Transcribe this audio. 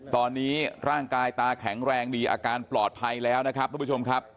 ตอนนี้ร่างกายตาแข็งแรงดีอาการปลอดภัยแล้วนะครับทุกผู้ชมครับ